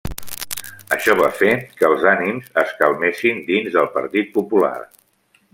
Això va fer que els ànims es calmessin dins del Partit Popular.